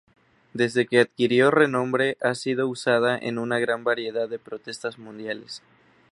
Desde que adquirió renombre ha sido usada en una gran variedad de protestas mundiales.